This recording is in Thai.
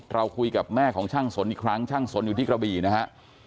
เราคุยกับแม่ของช่างสนอีกครั้งช่างสนอยู่ที่กระบี่นะฮะ